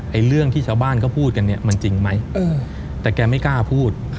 เรื่องที่ชาวบ้านเขาพูดกันเนี่ยมันจริงไหมแต่แกไม่กล้าพูด